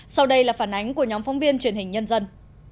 sau đây là phản ánh của nhóm phóng viên truyền hình nhân dân